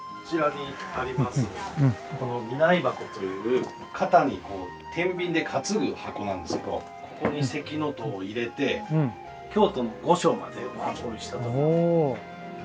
この担い箱という肩にてんびんで担ぐ箱なんですけどここに「関の戸」を入れて京都の御所までお運びしたと。